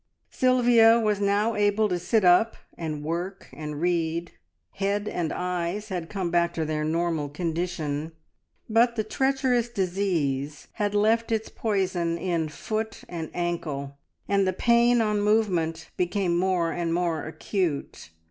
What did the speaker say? Sylvia was now able to sit up and work and read; head and eyes had come back to their normal condition, but the treacherous disease had left its poison in foot and ankle, and the pain on movement became more and more acute.